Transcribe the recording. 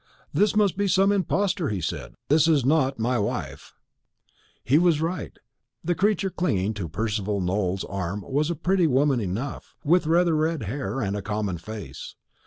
"This must be some impostor," he said; "this is not my wife." He was right. The creature clinging to Percival Nowell's arm was a pretty woman enough, with rather red hair, and a common face.